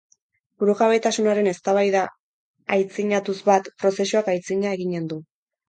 Burujabetasunaren eztabaida aitzinatuz bat, prozesuak aitzina eginen du.